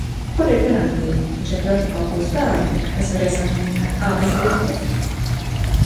Kur ir garantija, ka šie protokoli būs tādi, kas varēs apmierināt abas divas puses?